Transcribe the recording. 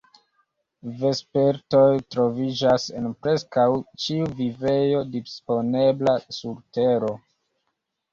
Vespertoj troviĝas en preskaŭ ĉiu vivejo disponebla sur Tero.